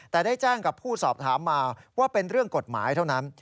แต่ได้แจ้งกับผู้สอบถามมาว่าเป็นเรื่องกฎหมายเท่านั้น